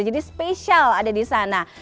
jadi spesial ada di sana